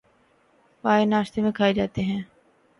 پائے ناشتے میں کھائے جاتے ہیں